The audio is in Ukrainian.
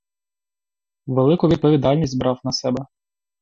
Велику відповідальність брав на себе.